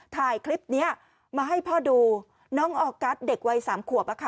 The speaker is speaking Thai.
ถ่ายคลิปนี้มาให้พ่อดูน้องออกัสเด็กวัย๓ขวบ